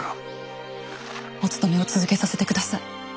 おつとめを続けさせてください。